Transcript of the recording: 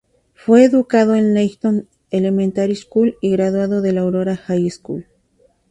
Fue educado en la Leighton Elementary School y graduado de la Aurora High School.